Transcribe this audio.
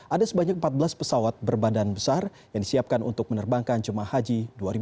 ada sebanyak empat belas pesawat berbadan besar yang disiapkan untuk menerbangkan jemaah haji dua ribu dua puluh